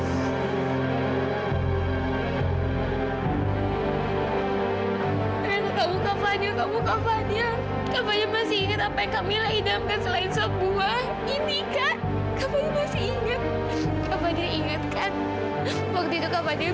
kamu kepadanya kamu kepadanya kepadanya masih inget apa yang kamu